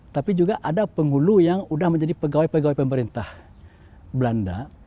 tapi juga ada penghulu yang sudah menjadi pegawai pegawai pemerintah belanda